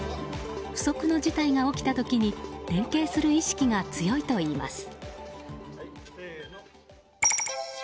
不測の事態が起きた時に連携する意識が強いといいます。